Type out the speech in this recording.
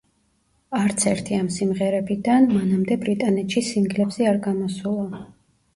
არც ერთი ამ სიმღერებიდან მანამდე ბრიტანეთში სინგლებზე არ გამოსულა.